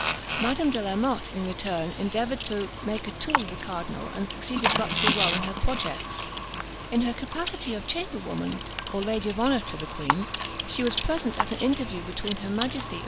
Madame de la Motte, in return, endeavoured to make a tool of the cardinal, and succeeded but too well in her projects. In her capacity of chamber woman, or lady of honour to the queen, she was present at an interview between her majesty and M.